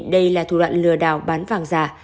đây là thủ đoạn lừa đảo bán vàng giả